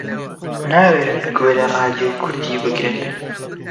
ناوێرن گوێ لە ڕادیۆی کوردی بگرن